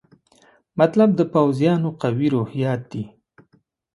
مطلب د پوځیانو قوي روحیات دي.